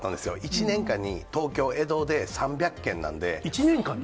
１年間に東京・江戸で、３００件１年間に？